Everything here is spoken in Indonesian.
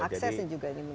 jadi ini berarti